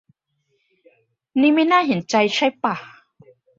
นี่ไม่น่าเห็นใจใช่ป่ะ